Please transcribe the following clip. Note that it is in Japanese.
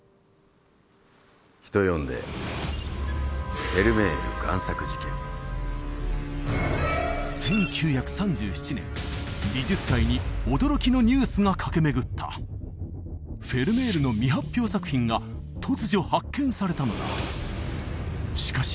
人呼んで１９３７年美術界に驚きのニュースが駆け巡ったフェルメールの未発表作品が突如発見されたのだしかし